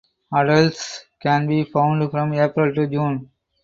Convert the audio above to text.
Adults can be found from April to June.